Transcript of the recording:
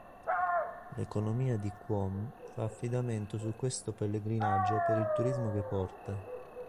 L'economia di Qom fa affidamento su questo pellegrinaggio per il turismo che porta.